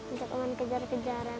untuk emang kejar kejaran